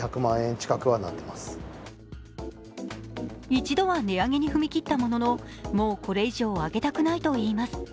一度は値上げに踏み切ったもののもうこれ以上上げたくないといいます。